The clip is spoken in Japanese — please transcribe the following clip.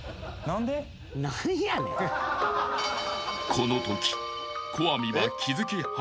［このとき］